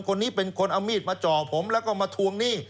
คนนี้เป็นคนเอามีดมาจ่อผมแล้วก็มาทวงหนี้